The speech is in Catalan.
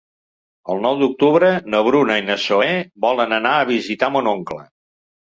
El nou d'octubre na Bruna i na Zoè volen anar a visitar mon oncle.